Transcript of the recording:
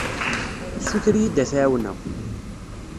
Tessuter-iyi-d ad t-ɛawneɣ.